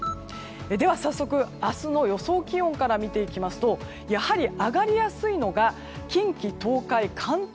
では早速、明日の予想気温から見ていきますとやはり、上がりやすいのが近畿、東海、関東